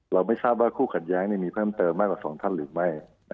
ไม่ทราบว่าคู่ขัดแย้งมีเพิ่มเติมมากกว่าสองท่านหรือไม่